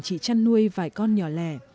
chỉ chăn nuôi vài con nhỏ lẻ